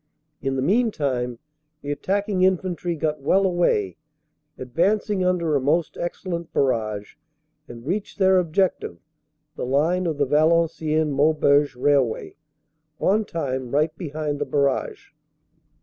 In the mean time the attacking Infantry got well away, advancing under a most excellent barrage, and reached their objective, the line of the Valenciennes Maubeuge railway, on time right behind the barrage.